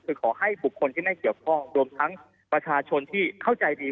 คือขอให้บุคคลที่ไม่เกี่ยวข้องรวมทั้งประชาชนที่เข้าใจดี